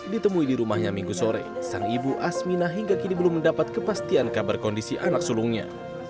ditemui di rumahnya minggu sore sang ibu asmina hingga kini belum mendapat kepastian kabar kondisi anak sulungnya